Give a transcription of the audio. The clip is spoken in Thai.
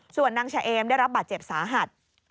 ส่วนนางเฉเอมได้รับบาดเจ็บสาหัส